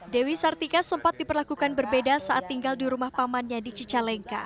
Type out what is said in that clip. dewi sartika sempat diperlakukan berbeda saat tinggal di rumah pamannya di cicalengka